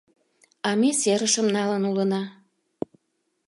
— А ме серышым налын улына...